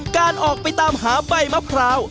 การออกไปตามหาใบมะพร้าว